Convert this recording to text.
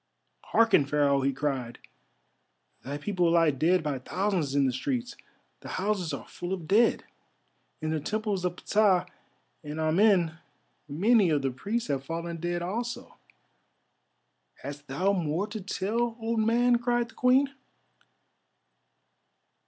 "Hearken, Pharaoh!" he cried, "thy people lie dead by thousands in the streets—the houses are full of dead. In the Temples of Ptah and Amen many of the priests have fallen dead also." "Hast thou more to tell, old man?" cried the Queen.